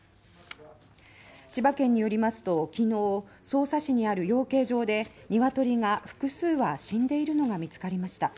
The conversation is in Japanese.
千葉県によりますと昨日匝瑳市にある養鶏場でニワトリが複数羽死んでいるのが見つかりました。